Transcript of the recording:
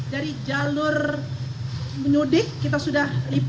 jadi jalur menyudik kita sudah